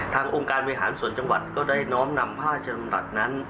องค์การบริหารส่วนจังหวัดก็ได้น้อมนำพระราชดำรัฐนั้น